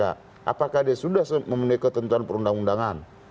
apakah dia sudah memenuhi ketentuan perundang undangan